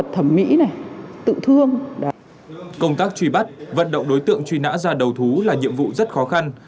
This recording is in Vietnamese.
công tác truy bắt vận động đối tượng truy nã ra đầu thú là nhiệm vụ rất khó khăn